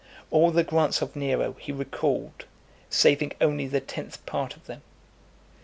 All the grants of Nero he recalled, saving only the tenth part of them.